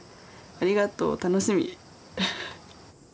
「ありがとう！楽しみ」。